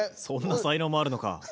そんな才能もあるのか。